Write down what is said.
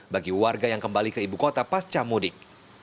bagi warga yang kembali ke ibu kota pasca mudik